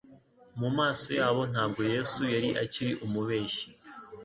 Mu maso yabo ntabwo Yesu yari akiri umubeshyi;